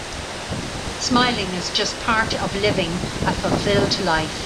Smiling is just part of living a fulfilled life.